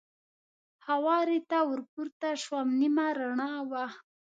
هوارې ته ور پورته شوم، نیمه رڼا وه.